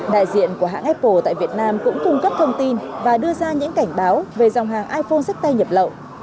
đại diện của hãng apple tại việt nam cũng cung cấp thông tin và đưa ra những cảnh báo về dòng hàng iphone sắp tay nhập lậu